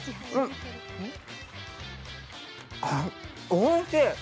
おいしい！